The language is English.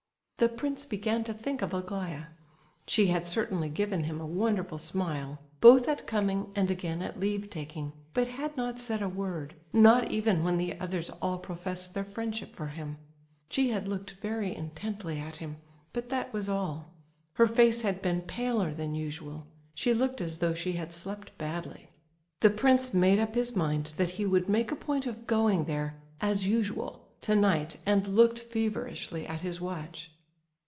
The prince began to think of Aglaya. She had certainly given him a wonderful smile, both at coming and again at leave taking, but had not said a word, not even when the others all professed their friendship for him. She had looked very intently at him, but that was all. Her face had been paler than usual; she looked as though she had slept badly. The prince made up his mind that he would make a point of going there "as usual," tonight, and looked feverishly at his watch.